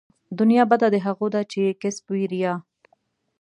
دنيا بده د هغو ده چې يې کسب وي ريا